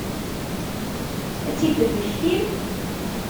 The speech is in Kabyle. Ad tt-id-mmektin?